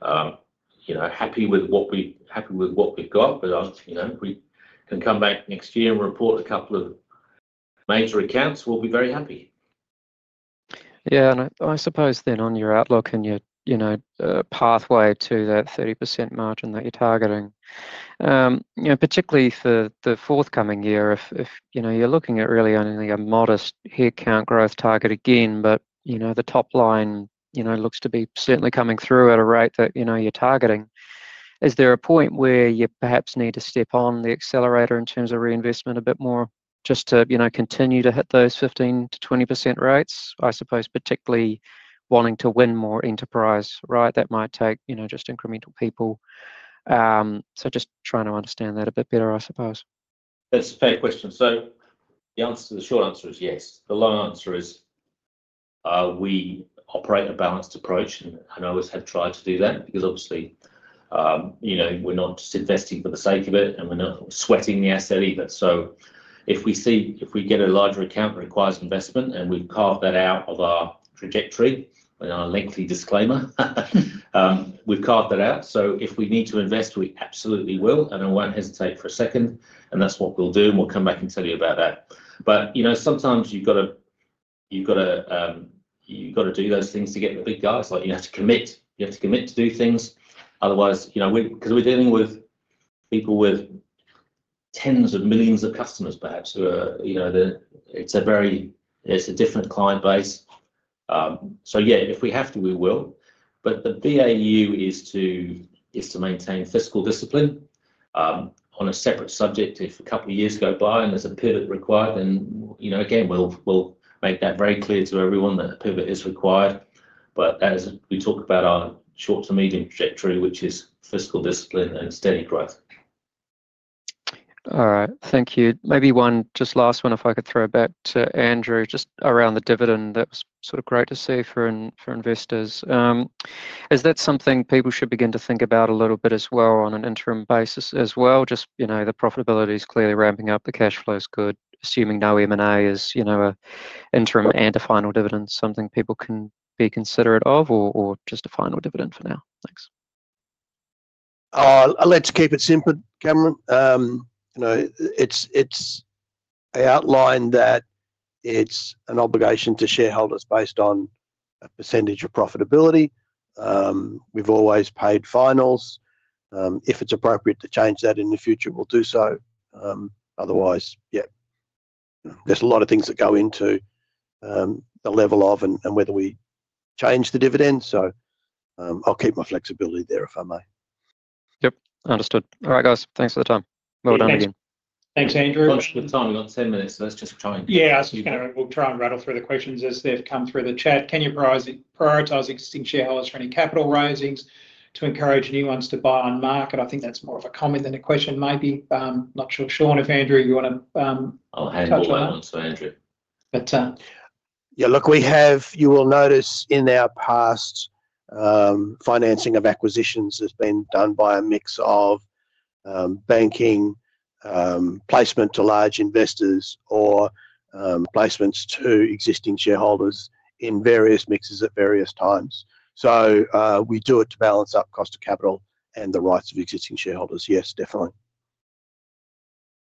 We're happy with what we've got, but if we can come back next year and report a couple of major accounts, we'll be very happy. Yeah, and I suppose then on your outlook and your pathway to that 30% margin that you're targeting, particularly for the forthcoming year, if you're looking at really only a modest headcount growth target again, but the top line looks to be certainly coming through at a rate that you're targeting. Is there a point where you perhaps need to step on the accelerator in terms of reinvestment a bit more just to continue to hit those 15%-20% rates? I suppose particularly wanting to win more enterprise, right? That might take just incremental people. Just trying to understand that a bit better, I suppose. That's a fair question. The short answer is yes. The long answer is we operate a balanced approach and I always have tried to do that because obviously, you know, we're not just investing for the sake of it and we're not sweating the asset either. If we get a larger account that requires investment and we've carved that out of our trajectory and our lengthy disclaimer, we've carved that out. If we need to invest, we absolutely will and I won't hesitate for a second and that's what we'll do and we'll come back and tell you about that. Sometimes you've got to do those things to get the big guys. You have to commit, you have to commit to do things. Otherwise, you know, because we're dealing with people with tens of millions of customers perhaps who are, you know, it's a very, it's a different client base. If we have to, we will. The BAU is to maintain fiscal discipline on a separate subject. If a couple of years go by and there's a pivot required, then, you know, again, we'll make that very clear to everyone that a pivot is required. As we talk about our short to medium trajectory, which is fiscal discipline and steady growth. All right, thank you. Maybe one just last one, if I could throw it back to Andrew, just around the dividend that was sort of great to see for investors. Is that something people should begin to think about a little bit as well on an interim basis as well? Just, you know, the profitability is clearly ramping up, the cash flow is good, assuming no M&A is, you know, an interim and a final dividend, something people can be considerate of or just a final dividend for now? Thanks. Let's keep it simple, Cameron. It's an outline that it's an obligation to shareholders based on a percentage of profitability. We've always paid finals. If it's appropriate to change that in the future, we'll do so. Otherwise, there's a lot of things that go into the level of and whether we change the dividend. I'll keep my flexibility there if I may. Yep, understood. All right, guys, thanks for the time. Well done again. Thanks, Andrew. Good time, we've got 10 minutes, so let's just try and. Yeah, I was just going to try and rattle through the questions as they've come through the chat. Can you prioritize existing shareholders for any capital raisings to encourage new ones to buy on market? I think that's more of a comment than a question, maybe. I'm not sure, Shaun, if Andrew, if you want to. I'll handle that, Andrew. But. Yeah, look, you will notice in our past financing of acquisitions has been done by a mix of banking placement to large investors or placements to existing shareholders in various mixes at various times. We do it to balance up cost of capital and the rights of existing shareholders. Yes, definitely.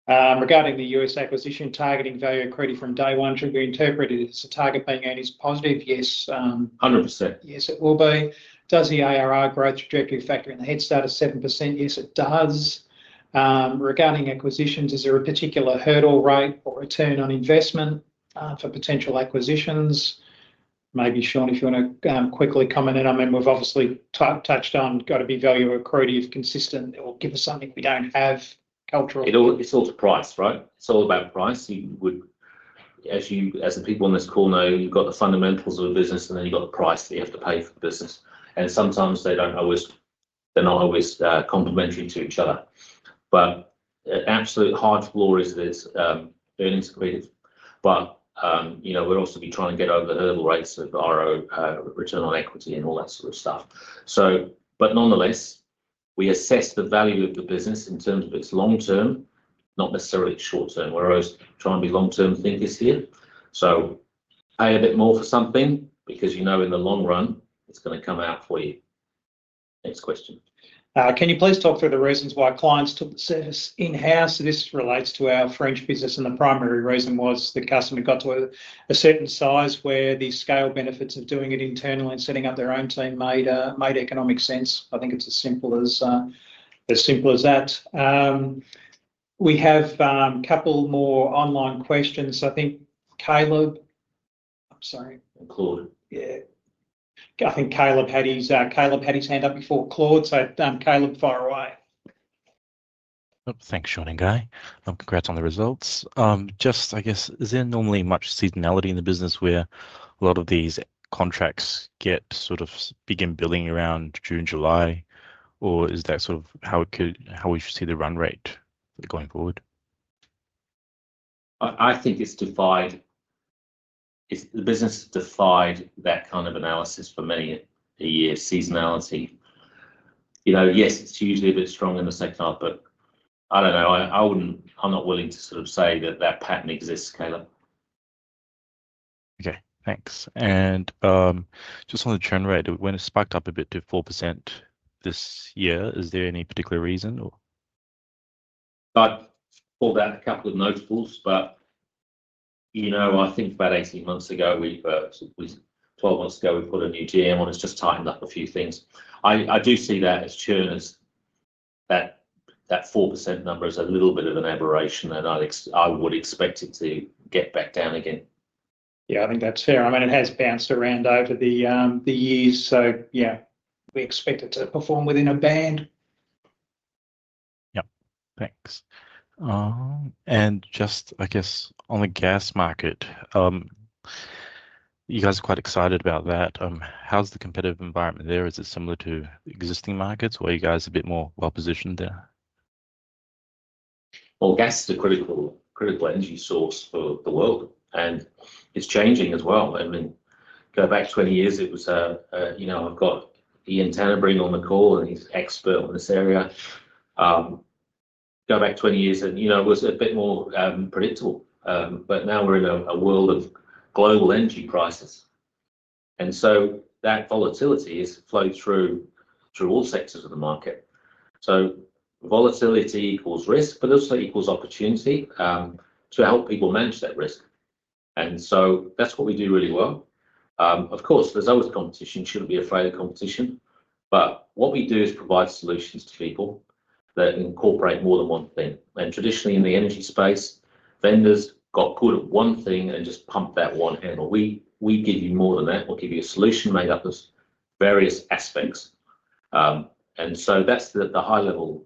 Regarding the U.S., acquisition targeting value accredited from day one, should we interpret it as a target being earnings positive? Yes. 100%. Yes, it will be. Does the ARR growth trajectory factor in the head start at 7%? Yes, it does. Regarding acquisitions, is there a particular hurdle rate for return on investment for potential acquisitions? Maybe Shaun, if you want to quickly comment. We've obviously touched on, got to be value accretive, consistent, or give us something we don't have. It's all price, right? It's all about price. As the people on this call know, you've got the fundamentals of a business and then you've got the price that you have to pay for the business. Sometimes they're not always complementary to each other. An absolute high floor is that it's earnings accredited. We're also trying to get over the hurdle rates of RO, return on equity, and all that sort of stuff. Nonetheless, we assess the value of the business in terms of its long-term, not necessarily its short-term. We're always trying to be long-term thinkers here. Pay a bit more for something because you know in the long run, it's going to come out for you. Next question. Can you please talk through the reasons why clients took the service in-house? This relates to our French business, and the primary reason was the customer got to a certain size where the scale benefits of doing it internally and setting up their own team made economic sense. I think it's as simple as that. We have a couple more online questions. I think Caleb, I'm sorry. Claude. Yeah, I think Caleb had his hand up before Claude. Caleb, fire away. Thanks, Shaun and Guy. Congrats on the results. Is there normally much seasonality in the business where a lot of these contracts get sort of begin billing around June, July? Is that sort of how we should see the run rate going forward? I think it's defined. If the business is defined, that kind of analysis for many a year seasonality, you know, yes, it's usually a bit strong in the sector, but I don't know. I wouldn't, I'm not willing to sort of say that that pattern exists, Caleb. Okay, thanks. Just on the churn rate, when it spiked up a bit to 4% this year, is there any particular reason? I'd call that a couple of notables, but you know, I think about 18 months ago, 12 months ago, we put a new DM on. It's just tightened up a few things. I do see that as churn, as that 4% number is a little bit of an aberration that I would expect to get back down again. Yeah, I think that's fair. I mean, it has bounced around over the years, so yeah, we expect it to perform within a band. Thanks. I guess, on the gas market, you guys are quite excited about that. How's the competitive environment there? Is it similar to existing markets? Are you guys a bit more well-positioned there? Gas is a critical energy source for the world, and it's changing as well. Go back 20 years, it was a, you know, I've got Ian Tenebring on the call and he's an expert on this area. Go back 20 years and it was a bit more predictable. Now we're in a world of global energy prices, and that volatility has flowed through all sectors of the market. Volatility equals risk, but also equals opportunity to help people manage that risk, and that's what we do really well. Of course, there's always competition. You shouldn't be afraid of competition. What we do is provide solutions to people that incorporate more than one thing. Traditionally in the energy space, vendors got pulled at one thing and just pumped that one in. We give you more than that. We'll give you a solution made up of various aspects. That's the high level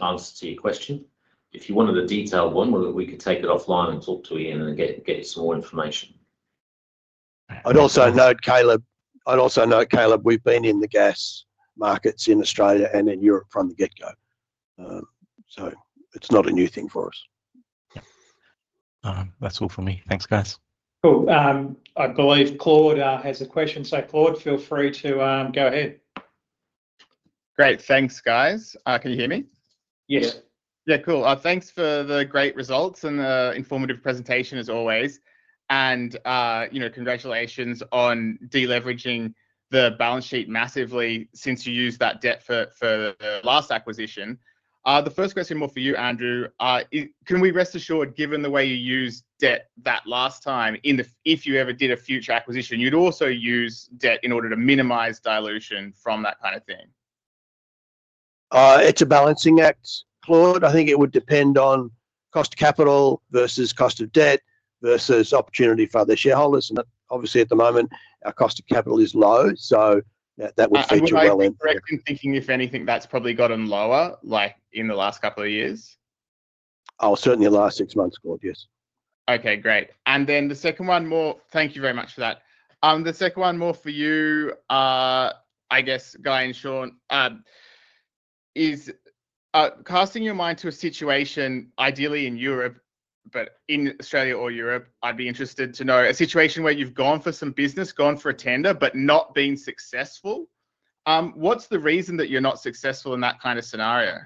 answer to your question. If you wanted a detailed one, we could take it offline and talk to Ian and get you some more information. I'd also note, Caleb, we've been in the gas markets in Australia and in Europe from the get-go. It's not a new thing for us. That's all from me. Thanks, guys. I believe Claude has a question. Claude, feel free to go ahead. Great, thanks, guys. Can you hear me? Yes. Yeah, cool. Thanks for the great results and the informative presentation as always. Congratulations on deleveraging the balance sheet massively since you used that debt for the last acquisition. The first question is more for you, Andrew. Can we rest assured, given the way you used debt that last time, if you ever did a future acquisition, you'd also use debt in order to minimize dilution from that kind of thing? It's a balancing act, Claude. I think it would depend on cost of capital versus cost of debt versus opportunity for other shareholders. Obviously, at the moment, our cost of capital is low. That would feature well in. Correctly thinking, if anything, that's probably gotten lower in the last couple of years. Oh, certainly the last six months, Claude, yes. Okay, great. Thank you very much for that. The second one, more for you, I guess, Guy and Shaun, is casting your mind to a situation, ideally in Europe, but in Australia or Europe, I'd be interested to know a situation where you've gone for some business, gone for a tender, but not been successful. What's the reason that you're not successful in that kind of scenario?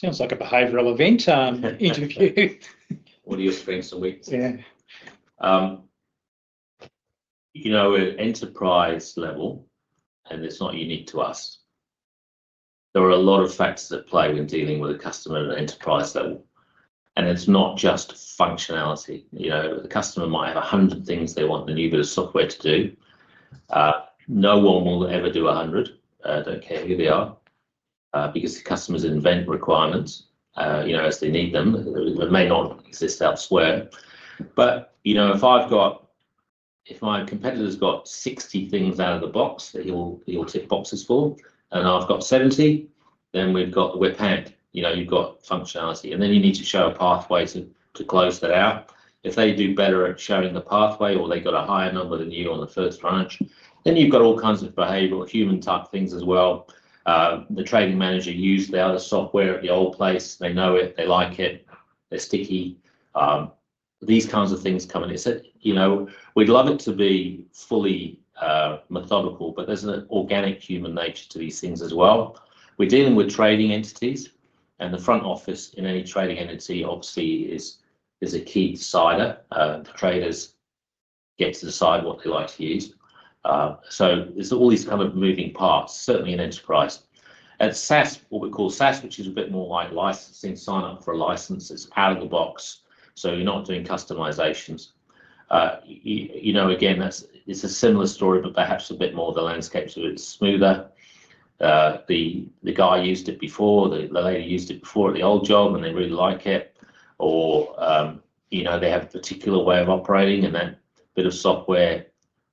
Sounds like a behavioral event. What do you spend a week? Yeah. At enterprise level, and it's not unique to us, there are a lot of factors at play when dealing with a customer at an enterprise level. It's not just functionality. The customer might have a hundred things they want a new bit of software to do. No one will ever do a hundred. I don't care who they are because the customer's invent requirements as they need them. They may not exist elsewhere. If my competitor's got 60 things out of the box that he'll tick boxes for and I've got 70, then we're panicked. You've got functionality and then you need to show a pathway to close that out. If they do better at showing the pathway or they got a higher number than you on the first branch, then you've got all kinds of behavioral human type things as well. The trading manager used the other software at the old place. They know it, they like it, they're sticky. These kinds of things come in. He said we'd love it to be fully methodical, but there's an organic human nature to these things as well. We're dealing with trading entities and the front office in any trading entity obviously is a key sider. The traders get to decide what they like to use. There are all these kind of moving parts, certainly in enterprise. At SaaS, what we call SaaS, which is a bit more like licensing, sign up for a license, it's out of the box. You're not doing customizations. Again, it's a similar story, but perhaps a bit more of the landscapes have been smoother. The guy used it before, the lady used it before at the old job and they really like it. They have a particular way of operating and their bit of software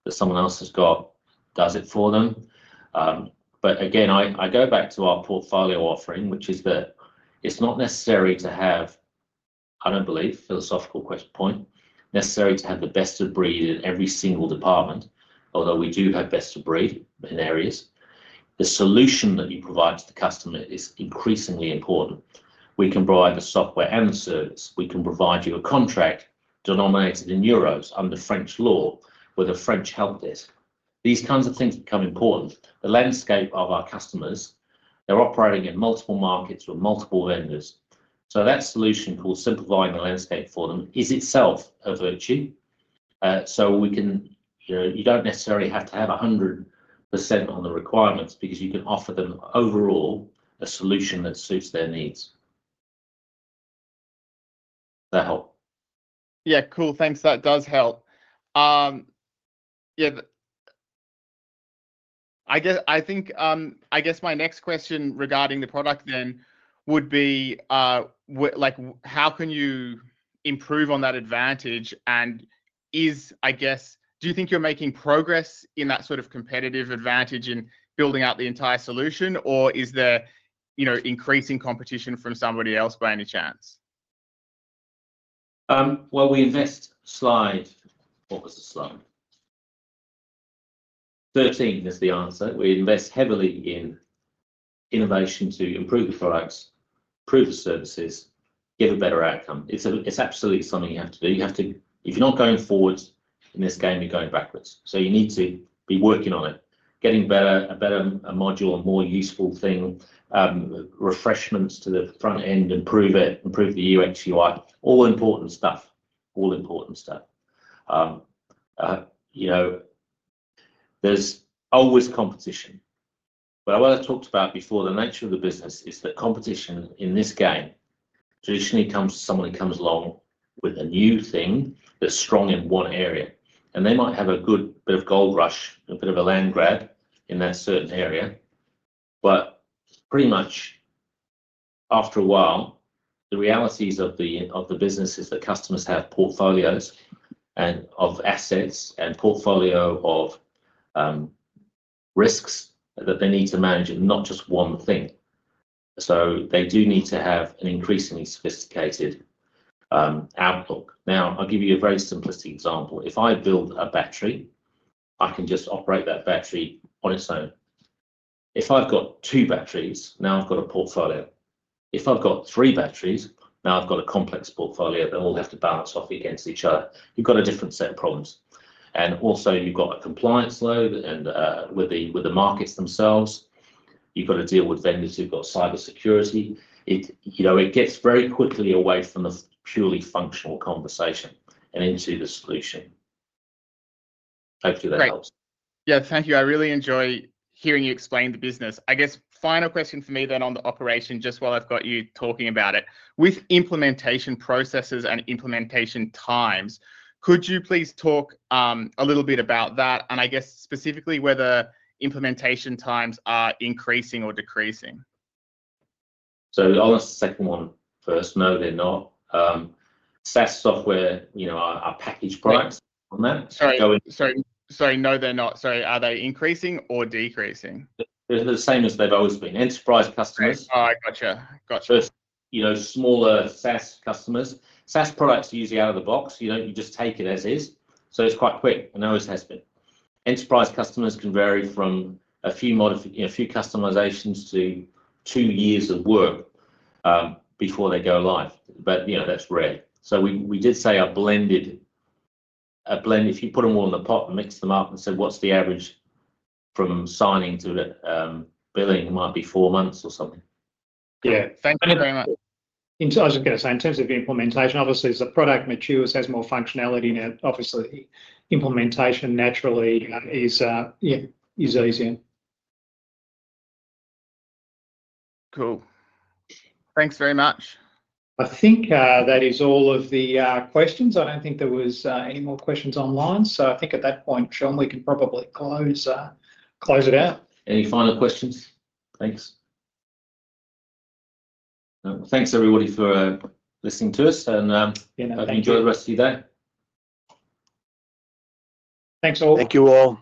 that someone else has got does it for them. I go back to our portfolio offering, which is that it's not necessary to have, I don't believe, philosophical question point, necessary to have the best of breed in every single department, although we do have best of breed in areas. The solution that you provide to the customer is increasingly important. We can provide the software and the service. We can provide you a contract denominated in euros under French law with a French help desk. These kinds of things become important. The landscape of our customers, they're operating in multiple markets with multiple vendors. That solution called simplifying the landscape for them is itself a virtue. You don't necessarily have to have 100% on the requirements because you can offer them overall a solution that suits their needs. Does that help? Thanks, that does help. I guess my next question regarding the product would be, how can you improve on that advantage? Do you think you're making progress in that sort of competitive advantage in building out the entire solution, or is there increasing competition from somebody else by any chance? We invest slightly. What was the slow? 13 is the answer. We invest heavily in innovation to improve the products, improve the services, get a better outcome. It's absolutely something you have to do. If you're not going forward in this game, you're going backwards. You need to be working on it, getting better, a better module, a more useful thing, refreshments to the front end, improve it, improve the UX/UI, all important stuff, all important stuff. There's always competition. What I talked about before, the nature of the business is that competition in this game traditionally comes to someone who comes along with a new thing that's strong in one area. They might have a good bit of gold rush, a bit of a land grab in that certain area. Pretty much after a while, the realities of the business is that customers have portfolios and of assets and a portfolio of risks that they need to manage and not just one thing. They do need to have an increasingly sophisticated outlook. I'll give you a very simplistic example. If I build a battery, I can just operate that battery on its own. If I've got two batteries, now I've got a portfolio. If I've got three batteries, now I've got a complex portfolio that all have to balance off against each other. You've got a different set of problems. Also, you've got a compliance load and with the markets themselves, you've got to deal with vendors who've got cybersecurity. It gets very quickly away from the purely functional conversation and into the solution. Hopefully, that helps. Yeah, thank you. I really enjoy hearing you explain the business. I guess final question for me then on the operation, just while I've got you talking about it, with implementation processes and implementation times, could you please talk a little bit about that? I guess specifically whether implementation times are increasing or decreasing? I'll answer the second one first. No, they're not. Software as a Service software, you know, our package product on that. No, they're not. Are they increasing or decreasing? They're the same as they've always been. Enterprise customers. Gotcha, gotcha. You know, smaller SaaS customers. SaaS products are usually out of the box. You don't, you just take it as is. It's quite quick. Now it has been. Enterprise customers can vary from a few modifications, a few customizations to two years of work before they go live. You know, that's rare. We did say a blended, a blend, if you put them all in the pot and mix them up and say what's the average from signing to billing, it might be four months or something. Thank you very much. I was just going to say in terms of the implementation, obviously as the product matures, it has more functionality now. Obviously, implementation naturally is easier. Cool. Thanks very much. I think that is all of the questions. I don't think there were any more questions online. I think at that point, Shaun, we can probably close it out. Any final questions? Thanks. Thanks everybody for listening to us, and enjoy the rest of your day. Thanks, all. Thank you all.